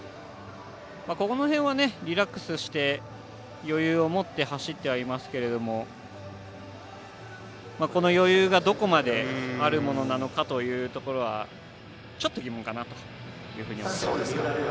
ここら辺はリラックスして余裕を持って走ってはいますけどこの余裕がどこまであるものなのかというところはちょっと疑問なのかなというふうには思います。